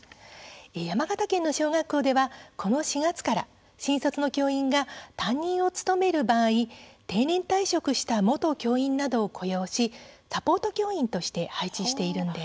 山形県の小学校ではこの４月から新卒の教員が担任を務める場合定年退職した元教員などを雇用しサポート教員として配置しています。